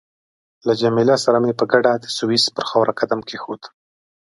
له جميله سره مې په ګډه د سویس پر خاوره قدم کېښود.